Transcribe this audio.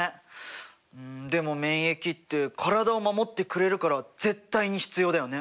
うんでも免疫って体を守ってくれるから絶対に必要だよね。